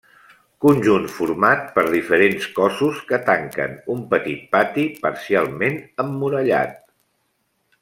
Conjunt format per diferents cossos que tanquen un petit pati parcialment emmurallat.